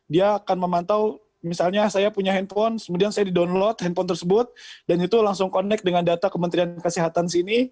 dia akan memantau misalnya saya punya handphone kemudian saya di download handphone tersebut dan itu langsung connect dengan data kementerian kesehatan sini